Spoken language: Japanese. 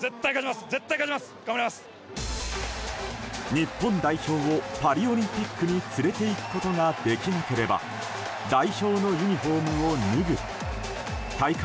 日本代表をパリオリンピックに連れていくことができなければ代表のユニホームを脱ぐ大会